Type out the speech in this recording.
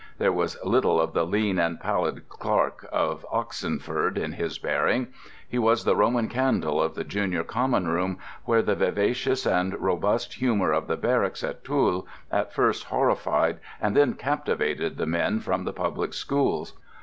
There was little of the lean and pallid clerk of Oxenford in his bearing: he was the Roman candle of the Junior Common Room, where the vivacious and robust humour of the barracks at Toul at first horrified and then captivated the men from the public schools.